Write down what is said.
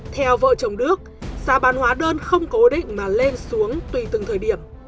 theo vợ chồng đức giá bán hóa đơn không cố định mà lên xuống tùy từng thời điểm